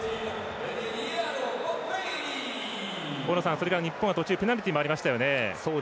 それから日本は途中ペナルティもありましたよね。